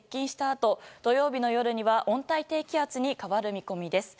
あと土曜日の夜には温帯低気圧に変わる見込みです。